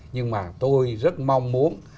nhưng mà tôi rất mong muốn